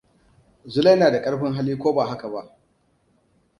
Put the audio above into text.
Zulai na da ƙarfin hali, ko ba haka ba?